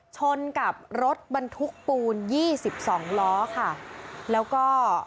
ชนกับรถบรรทุกปูนยี่สิบสองล้อค่ะแล้วก็